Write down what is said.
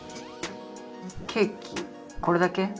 ケーキこれだけ？